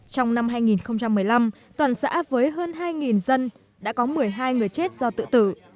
trong năm hai nghìn một mươi năm toàn xã với hơn hai dân đã có một mươi hai người chết do tự tử